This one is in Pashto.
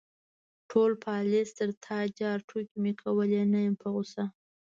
_ټول پالېز تر تا جار، ټوکې مې کولې، نه يم په غوسه.